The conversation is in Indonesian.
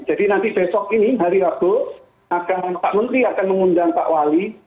jadi nanti besok ini hari rabu pak menteri akan mengundang pak wali